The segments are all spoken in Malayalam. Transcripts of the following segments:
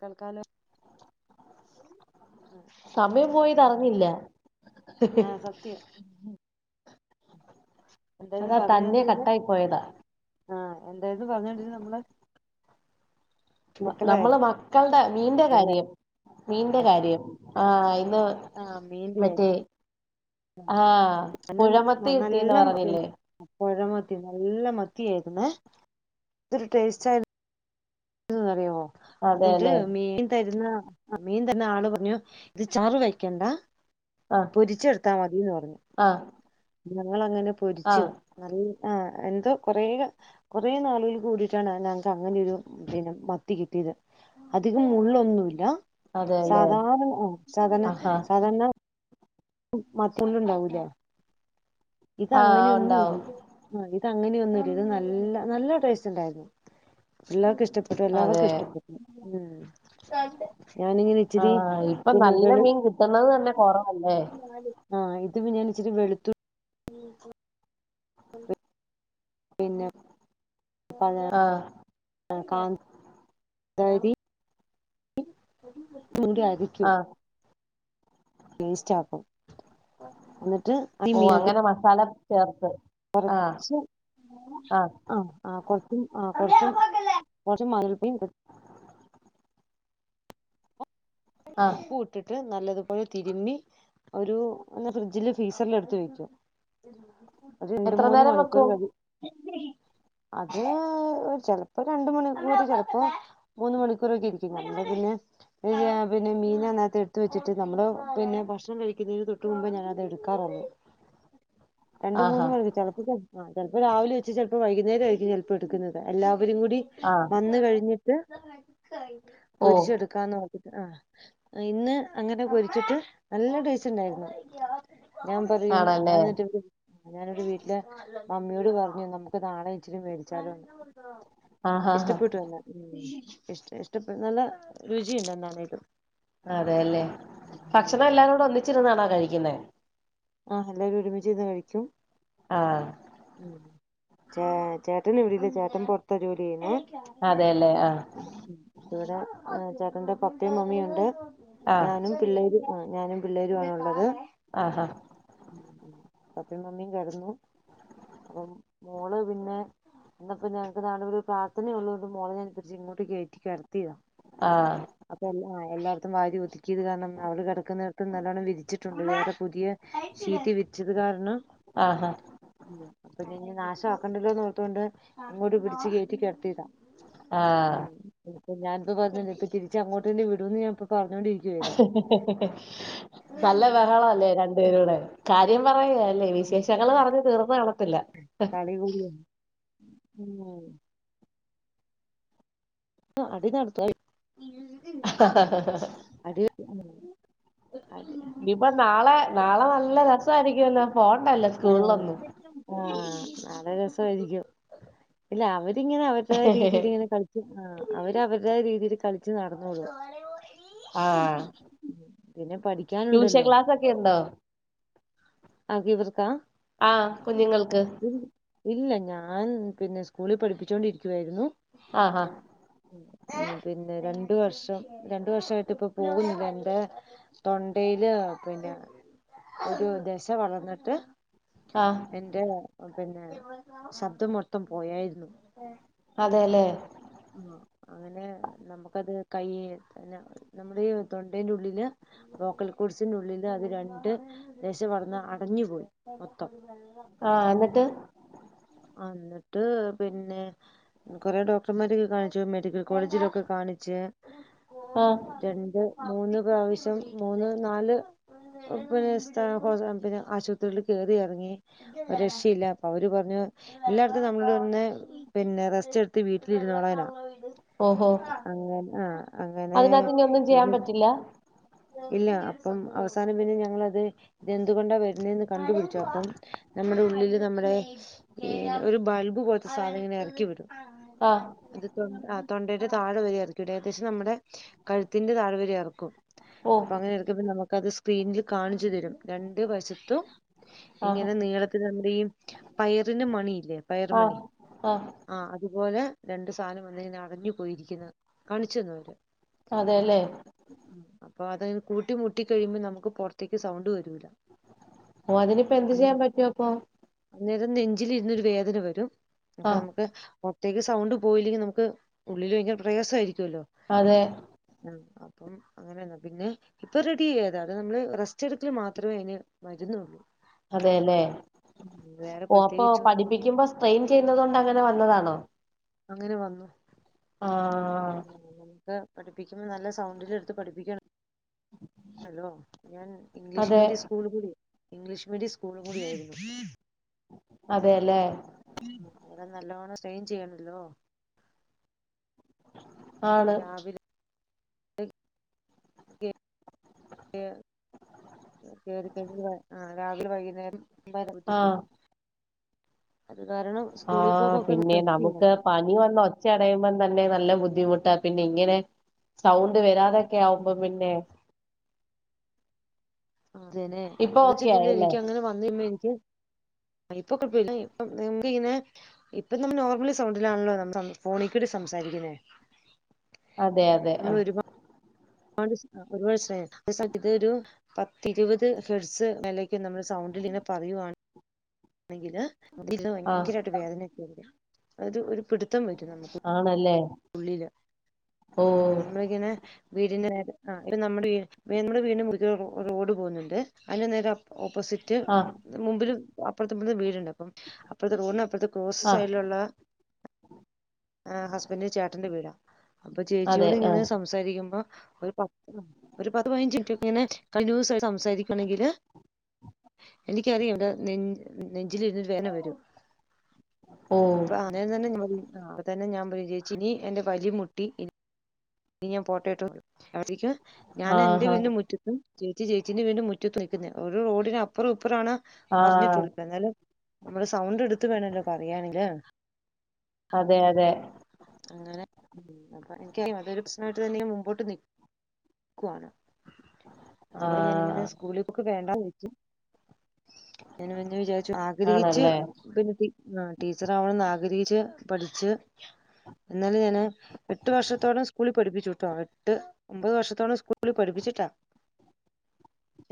കൽക്കാലം സമയം പോയിതറിഞ്ഞില്ല. ആഹ് സത്യം ഉം അതാ തന്നെ പറഞ്ഞോണ്ടിരുന്നെ കട്ടായി പോയതാ ആഹ് എന്തായത് പറഞ്ഞൊണ്ടിരുന്ന് നമ്മള് മക്കളുടെ നമ്മളെ കാര്യം മക്കൾടെ മീന്റെ കാര്യം മീന്റെ കാര്യം ആഹ് ഇന്ന് ആഹ് മീന്റെ മറ്റേ അഹ് ആ [unintelligible] പുഴമത്തി നല്ല കിട്ടീന്ന് പറഞ്ഞില്ലേ പൊഴമത്തി നല്ല മത്തി ആയിരുന്നേ എന്തൊരു ടേസ്റ്റായി ര്ന്നറിയോ എന്നിട്ട് അതെല്ലേ മീൻ തരുന്ന ആഹ് മീൻ തരുന്ന ആള് പറഞ്ഞു ഇത് ചാറ് വെക്കണ്ട ആ പൊരിച്ചെടുത്താ മതിന്ന് പറഞ്ഞു ആ ഞങ്ങളങ്ങനെ ആ പൊരിച്ച് നല്ല ആഹ് എന്തോ കൊറേ കൊറേ നാളുകളിൽ കൂടിട്ടാണ് ഞങ്ങക്ക് അങ്ങനൊരു പിന്നെ മത്തി കിട്ടിയത് അധികം മുള്ളൊന്നുല്ല അതെല്ലേ സാധാരണ സാധാരണ ആഹാ സാധാരണ മപുണ്ണ്ണ്ടാവൂല ആ ഉണ്ടാവും ഇതങ്ങനെയൊന്നുല്ല ആഹ് ഇത് അങ്ങനെയൊന്നുല്ല ഇത് നല്ല നല്ല ടേസ്റ്റ് ണ്ടായിരുന്നു പിള്ളർക്ക് ഇഷ്ട പ്പെട്ടു എല്ലാവർക്കും അതെ ഇഷ്ടപ്പെട്ടു ഞാനിങ്ങനെ ഇച്ചിരി ആഹ് ഇപ്പൊ പിന്നെ നല്ല വെളു മീൻ കിട്ടുന്നത് തന്നെ കൊറവല്ലേ ആഹ് ഇത് പിന്നെ ഞാൻ ഇച്ചിരി വെളുത്തു ഉം പിന്നെ [unintelligible] ആഹ് ആഹ് കാ തരി [unintelligible] ആ ഇൻസ്റ്റാക്കും ന്നട്ട് ഓഹ് അങ്ങനെ മസാല ചേർത്ത് ആ കൊറച്ച് ആ ആഹ് ആഹ് കൊറച്ചും ആഹ് കൊറച്ചും കൊറച്ചും [unintelligible] ആ ഉപ്പു ഇട്ടിട്ട് നല്ലതുപോലെ തിരുമ്മി ഒരു ഫ്രിഡ്ജില് ഫീസറിൽ എടുത്ത് വെക്കും. രണ്ട് എത്ര മൂന്ന് നേരം മണിക്കൂർ വെക്കും കഴി അത് ഒരു ചിലപ്പോ രണ്ട മണിക്കൂർ ചിലപ്പോ മൂന്ന് മണിക്കൂറൊക്കെ ഇരിക്കും പിന്നെ പിന്നെ [unintelligible] പിന്നെ മീന അന്നാത്ത് എടുത്ത് വെച്ചിട്ട് നമ്മള് പിന്നെ ഭക്ഷണം കഴിക്കുന്നതിന് തൊട്ട് മുമ്പ് ഞാന അത് എടുക്കാറുള്ളു രണ്ട് മൂന്ന് ആഹാ മണി ചെല ആ ചിലപ്പോ രാവിലെ വെച്ച് [unintelligible] ചെൽപ്പോ രാവിലെ വെച്ച് വൈകുന്നേരം ആയിരിക്കും ചെൽപ്പോ എടുക്കുന്നത് എല്ലാവരും കൂടി ആ വന്ന് കഴിഞ്ഞിട്ട് ഓ പൊരിച്ചെടുക്കാന്ന് നോക്കിട്ട് ആ ഇന്ന് അങ്ങനെ പൊരിച്ചിട്ട് നല്ല ടേസ്റ്റ് ഉണ്ടായിരുന്നു ഞാൻ പറയും ആണല്ലേ ഞാൻ എന്നിട്ട് [unintelligible] ഞാനൊരു വീട്ടിലെ മമ്മിയോട് പറഞ്ഞു നമുക്ക് നാളെ ഇച്ചിരും മേടിച്ചാലോന്ന് ആഹാ ഹാ ഇഷ്ടപ്പെട്ടുന്ന ഇ ഇഷ്ടപ്പെ നല്ല രുചിയുണ്ട്നട്ടും [unintelligible] അതെയല്ലെ ഭക്ഷണം എല്ലാരും കൂടെ ഒന്നിച്ചിരുന്നാണോ കഴിക്കിന്നെ ആഹ് എല്ലാവരും ഒരുമിച്ചിരുന്ന് കഴിക്കും ആഹ് ഏ ചേട്ടൻ ഇവിടില്ല ചേട്ടൻ പൊറത്താ ജോലി ചെയ്യുന്നേ അതെയല്ലേ ആഹ് ഇവിടെ ചേട്ടന്റെ പപ്പയും മമ്മിയുണ്ട് ആഹ് ഞാനും പിള്ളേരും ആഹ് ഞാനും പിള്ളേരു ആണുള്ളത് ആഹാ ഉം ഉം പപ്പയും മമ്മിയും കെടന്നു ഉം മോള് പിന്നെ ഇന്നപ്പോ ഞങ്ങക്ക് നാളിവിടൊരു പ്രർത്ഥനയുള്ളോണ്ട് മോളെ ഞാനിങ്ങോട്ട് കയറ്റി കെടത്തിയതാ [unintelligible] ആഹ് അപ്പൊ എല്ല എല്ലാർത്തും വാരി ഒതുക്കിയത് കാരണം അവള് കെ ടക്കുന്ന നല്ലോണ്ണം വിരിച്ചിട്ടുണ്ട്ടെ അമ്മ പുതിയ ഷീറ്റ് വിരിച്ചത് കാരണം ആഹ് ഹ ഉം അപ്പൊതിനി നാശാക്കണ്ടല്ലോന്നോർത്ത് കൊണ്ട് ഇങ്ങോട്ട് പിടിച്ച് കേറ്റി കെടത്തീതാ ആഹ് ഉം ഇപ്പ ഞാനിപ്പ പറഞ്ഞണ്ട് ഇപ്പൊ തിരിച്ച അങ്ങോട്ട്ന്നെ വിടോന്ന് ഞാനി പ്പ പറഞ്ഞോണ്ടി ഹ്ഹ്ഹ് നല്ല ബഹള അല്ലേ രണ്ടു പേരൂടെ കാര്യം പറയ അല്ലേ വിശേഷങ്ങൾ പറഞ്ഞ് തീർന്ന് കണത്തില്ല കളി കൂടിയാ ഉം അടി നടത്ത അടി [unintelligible] അ [unintelligible] പ്പൊ നാളെ നാളെ നല്ല രസായിരിക്കുവല്ലൊ പോണ്ടല്ലോ ആഹ് സ്കൂളിലൊന്നും ആഹ് നല്ല രസായിരിക്കും ഇല്ല അവരിങ്ങനെ അവരുടെ രീതിൽ ഇങ്ങനെ കളി ആ അവര് അവരുടേതായ രീതിൽ കളിച്ച് നടന്നോളും ആഹ് പിന്നെ പഠി ട്യൂഷൻ ക്ലാസ് ഒക്കെ ഉണ്ടോ [unintelligible] ആെ ഇവർക്കാ ആഹ് കുഞ്ഞുങ്ങൾക്ക് ഇല്ല ഞാൻ പിന്നെ സ്കൂളിൽ പഠിപ്പിച്ചോണ്ടിരിക്കുവായിരുന്നു ആഹ് ആഹ് പിന്നെ രണ്ട് വർഷം രണ്ട് വർഷായിട്ട് ഇപ്പ പോവുന്നില്ല എന്റെ തൊണ്ടയില് പിന്നെ ഒരു ദശ വളർന്നിട്ട് ആഹ് എന്റെ പിന്നെ ശബ്ദം മൊത്തം പോയായിരുന്നു അതെല്ലെ ആ അങ്ങനെ നമുക്കത് കൈന്നെ നമ്മളെ ഈ തൊണ്ടേന്റെ ഉള്ളില് ലോക്കൽ കൂഴ്സിനുള്ളില് അത് രണ്ട് ദശ വന്ന് അടഞ്ഞു പോയി മൊത്തം ആഹ് എന്നിട്ട് അഹ് ന്നിട്ട് പിന്നെ കൊറേ ഡോക് [unintelligible] കാണിച്ചു മെഡിക്കൽ കോളേജിലൊക്കെ കാണിച്ച് ആഹ് രണ്ട് മൂന്ന് പ്രാവശ്യം മൂന്ന് നാല് പിന്നെ സ്താ ഹോസ് പിന്നെ ആശുപത്രിയിൽ കേറി എറങ്ങി രക്ഷയില്ല അപ്പൊ അവര് പറഞ്ഞു എല്ലായിടത്തും നമ്മൾ [unintelligible] പിന്നെ റെസ്റ്റ് എടുത്ത് വീട്ടി ട്ടിലിരുന്നോളാനാ ഓഹോ അങ്ങനെ ആഹ് അങ്ങനെ അതിനകത്ത് ഇനി ഒന്നും ചെയ്യാൻ പറ്റില്ല ഇല്ല അപ്പം അവസാനം പിന്നെ ഞങ്ങളത് ഇതെന്തുകൊണ്ടാ വരുന്നതെന്ന് കണ്ടുപിടിച്ചു അപ്പം നമ്മുടെ ഉള്ളില് നമ്മുടെ ഒരു ബൾബ് പോലത്തെ സാധനം ഇങ്ങനെ എറക്കി വിടും ആഹ് ആഹ് തൊണ്ടയുടെ താഴെ വരെ എറക്കിവിടും ഏകദേശം നമ്മടെ കഴുത്തിന്റെ താഴെ വരെ എറക്കും ഓ അപ്പൊ അങ്ങനെ എറക്കുമ്പ നമുക്ക്‌ അത് സ്ക്രീനിൽ കാണിച്ചു തരും രണ്ടു വശത്തും ആഹ് ഇങ്ങനെ നീളത്തി നമ്മടെ ഈ പയറിന്റെ മണിയില്ലേ പയർ ആഹ് മണി ആഹ് ആ അതുപോലെ രണ്ടു സാനം വന്നിങ്ങനെ അടഞ്ഞു പോയിരിക്കുന്നെ കാണിച്ചന്ന് അവര് അതെല്ലേ അപ്പൊ അത് കൂട്ടി മുട്ടി കഴിയുമ്പോം നമുക്ക് പൊറത്തേക്ക് സൗണ്ട് വരൂല ഓ അതിനിപ്പോ എന്ത് ചെയ്യാൻ അന്നേ പറ്റുവപ്പൊ അന്നേരം നെഞ്ചിലിരുന്നൊരു വേദന വരും അപ്പൊ ആഹ് നമുക്ക് പൊറത്തേക്ക് സൗണ്ട് പോയില്ലെങ്കിൽ നമുക്ക് ഉള്ളിൽ ഭയങ്കര പ്രയാസ ആയിരിക്കുമല്ലോ അതെ ഉം അപ്പം അങ്ങനെന്നാണ് പിന്നെ ഇപ്പ റെഡിആയി അത് നമ്മൾ റെസ്റ്റ് എടുക്കൽ മാത്രമേ അതിന് മരുന്നുള്ളൂ അതെല്ലേ വേറെ ഓ അപ്പൊ പ്രത്യേകിച്ചൊന്നുല്ല്യ പഠിപ്പിക്കുമ്പോ സ്ട്രെയിൻ ചെയ്യുന്നതോണ്ട് അങ്ങനെ വന്നതാണോ അങ്ങനെ വന്നു ആഹ് നമുക്ക് പഠിപ്പിക്കുമ്പോൾ നല്ല സൗണ്ടിലെടുത്ത് പഠിപ്പിക്കണല്ലോ ഞാൻ ഇംഗ്ലീഷ് അതെ മീഡിയം സ്കൂ സ്കൂൾ കൂടി ഇംഗ്ലീഷ് മീഡിയം സ്കൂൾ കൂടി ആയിരുന്നു അതെല്ലേ അങ്ങനെ നല്ലോണം സ്‌ട്രെയിൻ ചെയ്യണല്ലോ ആണ് രാവിലെ ക്ക് കേറിക്കഴഞ്ഞ ആ രാവിലെ വൈകുന്നേരം പോയി ആഹ് അത് കാരണം ആ സ്കൂളിൽ പോക്കൊക്കെ പിന്നെ നിർത്തി നമുക്ക് പ പനി വന്ന് ഒച്ച അടയുമ്പം തന്നെ നല്ല ബുദ്ധിമുട്ടാ പിന്നെ ഇങ്ങനെ സൗണ്ട് വരാതൊക്കെയവുമ്പം പിന്നെ അതേനെ ഇപ്പൊ അത് ഓക്കെ വെച്ചിട്ടില്ലേ ആയല്ലേ എനിക്ക് അങ്ങനെ വന്ന് കഴിയുമ്പോ എനിക്ക് ഇപ്പൊ കൊഴപ്പല്യാ ഇപ്പൊ നമുക്ക് ഇങ്ങനെ ഇപ്പൊ നമ്മ നോർമലി സൗണ്ടിലാണല്ലോ നമ്മ ഫോണി കൂടി സംസാരിക്കുന്നേ അതെ അതെ നമ്മൾ ആഹ് ഒരുപാട് [unintelligible] ഒരുപാട് സ്‌ട്രെയിൻ പഷേ ഇതൊരു പത്തിരുപത് ഹെഡ്സ് മേലെയ്ക്ക് നമ്മള് സൗണ്ടിൽ ഇങ്ങനെ പറയുവാണ് വാണേങ്കില് ആഹ് ഭയങ്കരമായിട്ട് വേദനൊക്കെ വരും അ ഒരു പിടിത്തം വരും നമുക്ക് ആണല്ലേ ഉള്ളില് ഓ നമ്മളിങ്ങനെ വീടിന്റെ ആഹ് ഇപ്പ നമ്മുടെ നമ്മള് വീടിന്റെ മുകളിലേക്ക് ഒരു റോഡ് പോകുന്നുണ്ട് അതി നേരെ ഓപ്പോസിറ്റ് ആഹ് റ്റ് മുമ്പില് അപ്പർത്തും ഇപ്പർത്തു വീട്ണ്ട് അപ്പം അപ്പർത്തെ റോഡ്ന് അപ്പർത്തെ റോസ് ആഹ് സൈഡിലുള്ളാ ഏഹ് ഹസ്ബന്റ് ചേട്ടെന്റെ വീടാ അപ്പൊ അതെ ചേച്ചിയോട് ഇങ്ങെനെ ആഹ് സംസാരിക്ക്യുമ്പാെ ഒരു പത് ഒരു പത്ത് പയ്നഞ്ച് മിൻറ്റൊക്കെങ്ങെനെ കൺഡ്യൂസായ്‌ സംസാരിക്കണെങ്കില് എനിക്കറിയാം വ്ടെ നെൻ നെഞ്ചില് ങ്ങ് വേദ്ന വെരും ഓ അപ്പൊ അങ്ങെനെ തന്നെ ഞാൻ ആഹ് അപ്പൊ തന്നെ ഞാ പോയി ചോയ്ച്ച് ഇനി എന്റെ വഴി മുട്ടി ഇ ഇനി ഞാൻ പോട്ടേട്ടോന്ന് അപ്പഴ്ത്തേക്ക് ഞാൻ എന്റെ ആഹാ വീട്ന്റെ മുറ്റത്ത് ചേച്ചി ചേച്ചിന്റെ വീട്ന്റെ മുറ്റത്ത് നിക്കുന്നെയാ ഒര് റോഡിന് അപ്പറും ഇപ്പറു ആണ് ആഹ് പറഞ്ഞിട്ടുള്ളത് ന്നാലും നമ്മള് സൗണ്ട് എട്ത്ത് വേണെല്ലോ പറയാണെങ്ങ്‌ല് അതെ അതെ അങ്ങെനെ ഉം കൊറോ എനിക്ക്നി അതൊരു പ്രശ്നായ്ട്ട് തന്നെങ്ങെ മുമ്പോട്ടും നി ക്കുവാണ് അതുപോലെ ഞാനിങ്ങെനെ ആഹ് സ്കൂളി പോക്ക് വേണ്ടാന്ന് വെച്ചു ഞാൻ പിന്നെ വിചാര്ച്ചു ആഗ്രഹിച്ച് ആണല്ലേ പിന്നെ ടി ആഹ് ടീച്ചറാവണംന്ന് ആഗ്രഹിച്ച് പഠിച്ച് എന്നാല് ഞാന് എട്ട് വർഷത്തോളം സ്കൂളി പഠിപ്പിച്ചൂട്ടോ എട്ട് ഒമ്പത് വർഷത്തോളം സ്കൂളി പഠിപ്പിച്ചിട്ടാ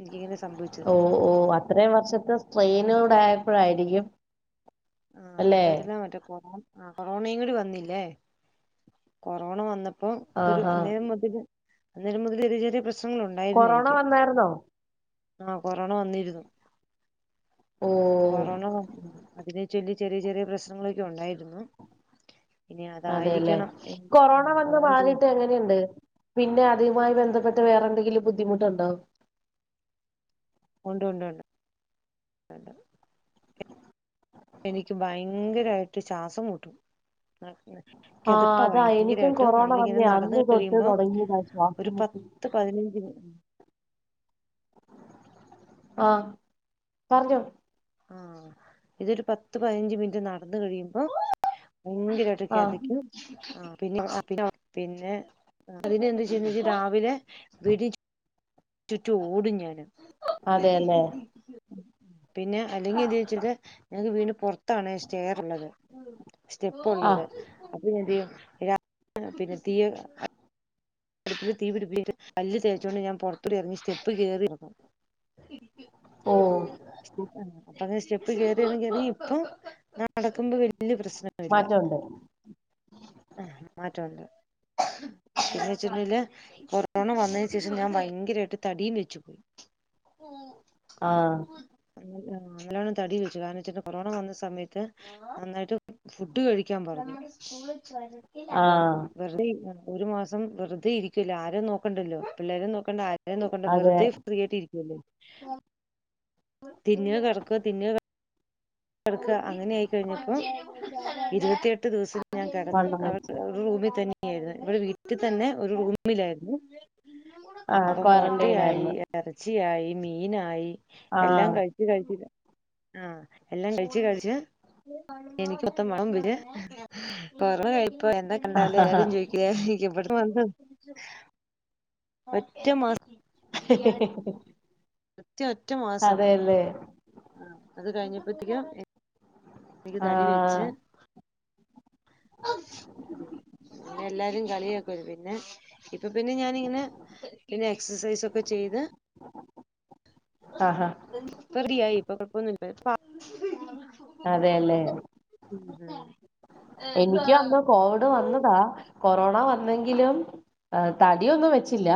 എനിക്കിങ്ങെനെ സംഭവി ഓഹ് ഓഹ് അത്രെയും വർഷത്തെ സ്ട്രെയ്നൂടെ ആയപ്പഴായിരിക്കും ആഹ് അത് കാരണം മറ്റേ കൊറോണ ആഹ് കൊറോണില് വന്നില്ലേ കൊറോണ വന്ന പ്പം അതൊരു ആഹാ അന്നേരം മുതെല് അന്നേരം മുതെല് ഒര് ചെറിയ പ്രശ്നങ്ങള് ഉണ്ടായ്ര്ന്നു കൊറോണ എനിക്ക് വന്നായിരുന്നോ ആഹ് കൊറോണ വന്നീര്ന്നു ഓഹ് കൊറോണ വന്ന് അതിനെ ചൊല്ലി ചെറിയ ചെറിയ പ്രശ്നങ്ങളൊക്കെ ഒണ്ടായ്ര്ന്നു അതേല്ലെ കൊറോണ ഉം വന്ന് അതാണ് തോ മാറീട്ട് എങ്ങെനെയ്ണ്ട് പിന്നെ അതേമായ് ബെന്ധപ്പെട്ട് വേറെന്തെങ്കിലും ബുദ്ധിമുട്ട്ണ്ടോ? ഉണ്ട് ഉണ്ട് ഉണ്ട് ഉണ്ട് എനിക്ക് ഭയങ്കരായ്ട്ട് ചാസം മുട്ടും ആഹ് ങ്ങെനെ ആഹ് കെതപ്പാ അതാ എനിക്കും ഭയങ്കരായ്ട്ടും കൊറോണ നമ്മളിങ്ങെനെ വന്നേ നടന്ന് അന്ന് തൊട്ട് കഴിയ്സം തുടങ്ങിയതാ ഒര് ശ്വാസം പ മുട്ട് ത്ത് പത്‌നഞ്ച് മി ആഹ് പറഞ്ഞോ ആഹ് ഇതൊരു പത്ത് പയ്നഞ്ച് മിൻറ്റ് നടന്ന് കഴിയുമ്പോ ഭയങ്കെരെ യ്ട്ട് ആഹ് കെതെക്ക്യും ആഹ് പിന്നെ ആഹ് പിന്നെ പിന്നെ ആഹ് അതിനെന്ത്‌ ചെയ്യ്ന്നെച്ച രാവിലെ വീടി ചുറ്റും ഓടും ഞാന് അതേല്ലേ പിന്നെ അല്ലെങ്കി എന്ത്യ്യുംച്ച്ട്ട് ഞങ്ങക്ക് വീട്ന്റെ പൊർത്താണെ സ്റ്റെയറ്ള്ളത് സ്റ്റെപ്പുള്ളത് ആഹ് അപ്പോ പിന്നെ എന്തെയ്യും രാവിലെ പിന്നെ തീയ് അടുപ്പില് തീ പിടിപ്പിച്ട്ട് പല്ല് തേച്ചോണ്ട് ഞാൻ പൊറത്തൂടി എറെങ്ങി സ്റ്റെപ്പ് കേറി [unintelligible] ഓഹ് അപ്പങ്ങനെ സ്റ്റെപ്പ് കേറിയെറെങ്ങി എറെങ്ങി ഇപ്പം നടക്ക്മ്പോ വല്യ പ്രശ്ന മാറ്റ ഉണ്ട് ആഹ് മാറ്റമുണ്ട് പിന്നെ വെച്ചിട്ണ്ടേല് കൊറോണ വന്നേന് ശേഷം ഞാൻ ഭയങ്കരായ്ട്ട് തടീം വെച്ചു ആഹ് അങ്ങനെയാണോ നല്ലോണം തടി വെച്ചു കാരണോച്ട്ട് കൊറോണ വന്ന സമയത്ത് നന്നായിട്ട് ഫുഡ് കഴിക്കാൻ പറഞ്ഞു അപ്പം ആഹ് വെർതെ ഇരു ഒരു മാസം വെറുതെ ഇരിക്കല്ലേ ആരേം നോക്കണ്ടല്ലോ പിള്ളേരും നോക്കണ്ട ആ രേം നോക്കണ്ട അതെ വെറുതെ ഫ്രീ ആയിട്ടരിക്കോല്ലേ തിന്ന കെടക്ക തിന്ന കെടക്ക അങ്ങനേയിക്കഴിഞ്ഞപ്പോ ഇരുപത്തിയട്ട് ദിവസം ഞാൻ കെടന്ന് വണ്ണം അവിടെ വെച്ച് ഒരു റൂമി തന്നെയായിരുന്നു ഇവിടെ വീട്ടി തന്നെ ഒരു റൂമിലായിരുന്നു. ആഹ് അപ്പൊ മൊട്ട ക്വാറന്റൈൻ ആയി. ആയിരുന്നു എറച്ചിയായി മീനായി എല്ലാം ആഹ് കഴിച്ച് കഴിച്ച് ത ആഹ് എല്ലാം കഴിച്ച് കഴിച്ച് എനിക്കൊത്തം [unintelligible] കൊറോണ കഴിഞ്ഞപ്പോ എന്നെ കണ്ടാല് എല്ലാരും ചൊയ്ക്കുവേ എവിട്ന്ന് വന്നതാ ഒറ്റേ മാസം [unintelligible] കൃത്തിയ ഒറ്റ മാസം അല്ലേ ആഹ് അത് കഴിഞ്ഞപ്പോത്തേക്കും എനിക്ക് തടി വെച്ച് ആഹ് അഹ് എല്ലാരും കളിയക്കരു പിന്നെ ഇപ്പൊ പിന്നെ ഞാനിങ്ങനെ പിന്നെ എക്സസൈസ ഒക്കെ ചെയ്ത് ആഹ് ആഹ് റെഡിയായി ഇപ്പൊ കൊഴപ്പൊന്നില്ല അതെല്ലേ എനിക്ക് വന്നോ കോവിഡ് വന്നതാ കൊറോണ വന്നെങ്കിലും തടിയൊന്നും വെച്ചില്ല